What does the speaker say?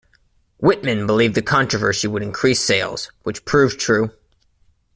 Whitman believed the controversy would increase sales, which proved true.